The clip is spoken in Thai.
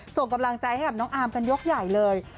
ส่งกำลังใจให้กับน้องอาร์มกันยกใหญ่เลย